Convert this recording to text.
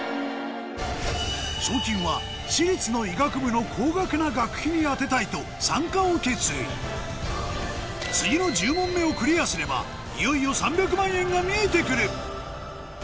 賞金は私立の医学部の高額な学費に充てたいと参加を決意次の１０問目をクリアすればいよいよ３００万円が見えてくる